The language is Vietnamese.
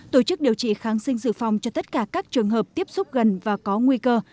tổ chức điều trị kháng sinh dự phòng cho tất cả các trường hợp tiếp xúc gần và có nguy cơ